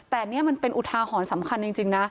แต่นี่มันเป็นอุทาหรณ์สำคัญจริงนะ